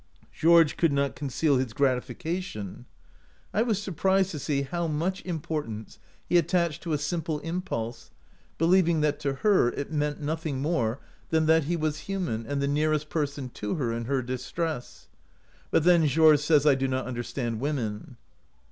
Georges could not conceal his gratification. 25 OUT OF BOHEMIA I was surprised to see how much impor tance he attached to a simple impulse, be lieving that to her it meant nothing more than that he was human and the nearest person to her in her distress. But then Georges says I do not understand women.